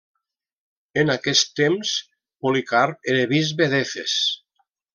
En aquest temps Policarp era bisbe d'Efes.